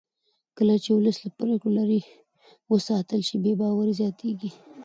کله چې ولس له پرېکړو لرې وساتل شي بې باوري زیاتېږي